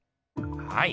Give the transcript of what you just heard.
はい。